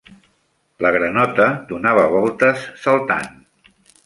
La granota donava voltes saltant.